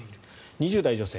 ２０代女性。